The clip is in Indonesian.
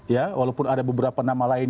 ya walaupun ada beberapa nama lain